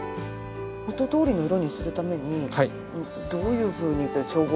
元どおりの色にするためにどういうふうに調合するんですか？